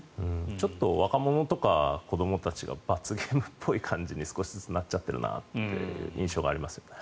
ちょっと若者とか子どもたちが罰ゲームっぽい感じに少しずつなっちゃってるなという印象がありますね。